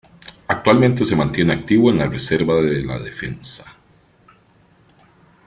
Actualmente se mantiene activo en la reserva de la defensa.